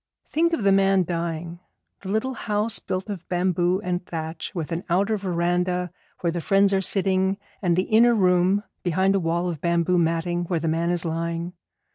Think of the man dying. The little house built of bamboo and thatch, with an outer veranda, where the friends are sitting, and the inner room, behind a wall of bamboo matting, where the man is lying.